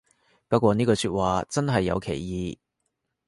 不過呢句話真係有歧義